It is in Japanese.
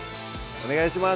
お願いします